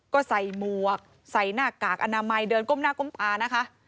ก็ใส่หมวกใส่หน้ากากอนามัยเดินก้มหน้าก้มตานะคะ